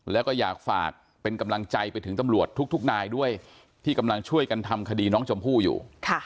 แล้วก็อยากฝากเป็นกำลังใจไปถึงตำรวจทุกนายด้วยที่กำลังช่วยกันทำคดีน้องชมพู่อยู่